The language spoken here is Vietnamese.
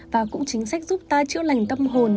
và cũng chính sách giúp ta chữa lành tâm hồn